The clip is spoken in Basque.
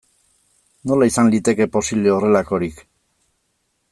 Nola izan liteke posible horrelakorik?